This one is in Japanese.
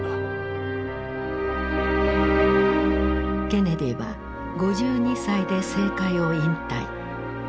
ケネディは５２歳で政界を引退。